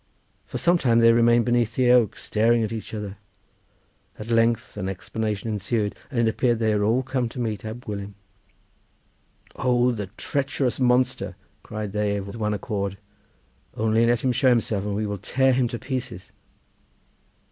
For some time they remained beneath the oak staring at each other. At length an explanation ensued, and it appeared that they had all come to meet Ab Gwilym. "'Oh, the treacherous monster!' cried they with one accord; 'only let him show himself and we will tear him to pieces.